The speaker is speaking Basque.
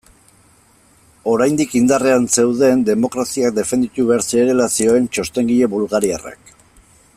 Oraindik indarrean zeuden demokraziak defenditu behar zirela zioen txostengile bulgariarrak.